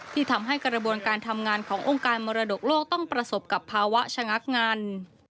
ที่ทำให้กระบวนการทำงานขององค์การมรดกโลกต้องประสบกับภาวะชะงักงัน